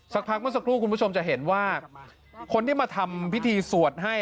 เมื่อสักครู่คุณผู้ชมจะเห็นว่าคนที่มาทำพิธีสวดให้